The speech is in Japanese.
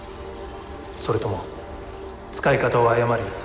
それとも使い方を誤り